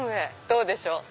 どうでしょう？